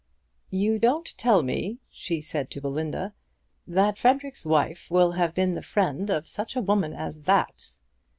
"You don't tell me," she said to Belinda, "that Frederic's wife will have been the friend of such a woman as that!"